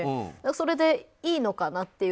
それでいいのかなっていう。